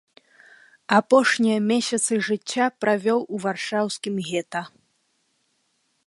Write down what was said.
Апошнія месяцы жыцця правёў у варшаўскім гета.